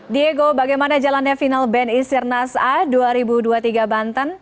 diego bagaimana jalannya final bni sirnas a dua ribu dua puluh tiga banten